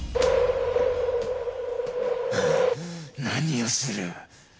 何をする！